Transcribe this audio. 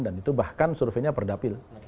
dan itu bahkan surveinya perdapil